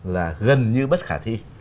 là gần như bất khả thi